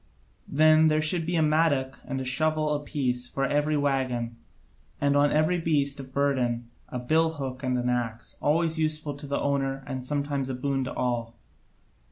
Then there should be a mattock and a shovel apiece for every waggon, and on every beast of burden a billhook and an axe, always useful to the owner and sometimes a boon to all.